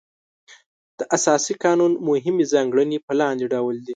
د اساسي قانون مهمې ځانګړنې په لاندې ډول دي.